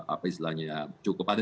apa istilahnya ya cukup ada